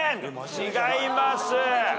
違います。